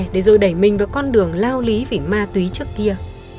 để rồi đẩy mình vào con đường lao lý vì ma túy trước kia